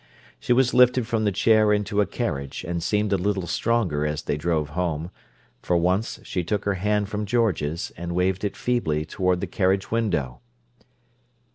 She was lifted from the chair into a carriage, and seemed a little stronger as they drove home; for once she took her hand from George's, and waved it feebly toward the carriage window.